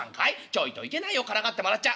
ちょいといけないよからかってもらっちゃ。